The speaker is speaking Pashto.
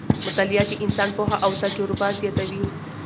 مطالعه د انسان پوهه او تجربه زیاتوي